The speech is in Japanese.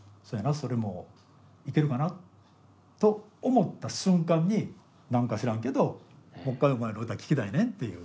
それもいけるかなと思った瞬間に何か知らんけどもう一回お前の歌聴きたいねんっていう。